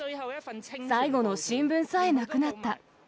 最後の新聞さえなくなった。